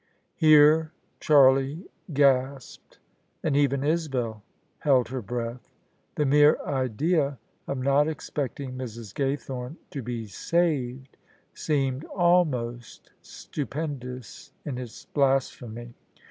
Here Charlie gasped, and even Isabel held her breath. The mere idea of not expecting Mrs. Gaythome to be saved seemed almost stupendous in its blasphemy.